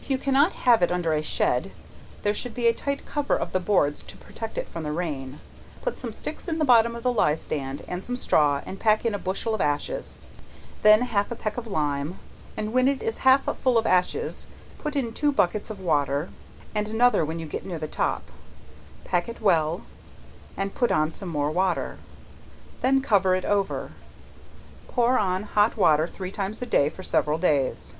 If you cannot have it under a shed, there should be a tight cover of boards to protect it from the rain. Put some sticks in the bottom of the leystand, and some straw, and pack in a bushel of ashes, then half a peck of lime, and when it is half full of ashes, put in two buckets of water, and another when you get near the top; pack it well, and put on some more water; then cover it over; pour on hot water three times a day for several days.